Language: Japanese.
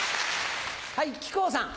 はい木久扇さん。